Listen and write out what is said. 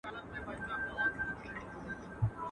چي دا سپین ږیري دروغ وايي که ریشتیا سمېږي ..